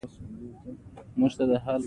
• ملګری د ستړیا احساس ختموي.